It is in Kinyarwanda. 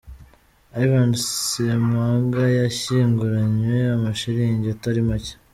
Ivan Ssemwanga yashyinguranywe amashiringi atari macye.